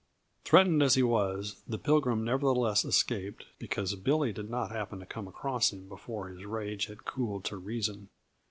Threatened as he was, the Pilgrim nevertheless escaped, because Billy did not happen to come across him before his rage had cooled to reason.